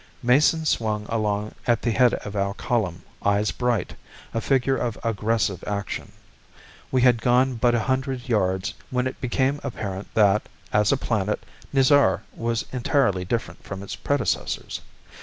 Mason swung along at the head of our column, eyes bright, a figure of aggressive action. We had gone but a hundred yards when it became apparent that, as a planet, Nizar was entirely different from its predecessors.